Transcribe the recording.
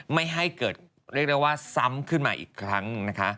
ไม่ให้เกิดเรียกได้ว่าซ้ำขึ้นมาอีกครั้งนะคะ